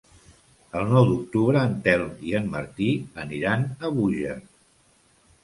El nou d'octubre en Telm i en Martí aniran a Búger.